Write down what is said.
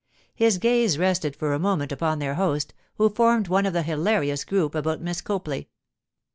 His gaze rested for a moment upon their host, who formed one of the hilarious group about Miss Copley.